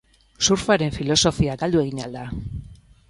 Surfaren filosofia galdu egin al da?